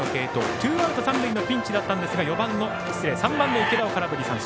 ツーアウト三塁のピンチで３番の池田を空振り三振。